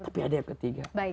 tapi ada yang ketiga